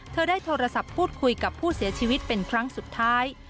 ได้โทรศัพท์พูดคุยกับผู้เสียชีวิตเป็นครั้งสุดท้าย